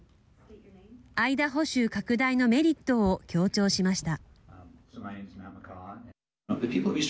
アイダホ州拡大のメリットを強調しました。